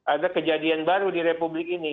ada kejadian baru di republik ini